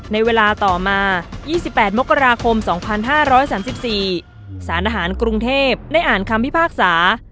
ในเวลาต่อมา๒๘มกราคม๒๕๓๔สารทหารกรุงเทพได้อ่านคำพิพากษา